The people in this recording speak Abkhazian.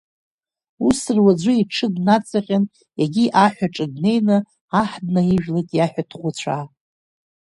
Ус руаӡәы иҽы днаҵаҟьан, егьи ахәаҿы днеины, аҳ днаижәлеит, иаҳәа ҭӷәыцәаа.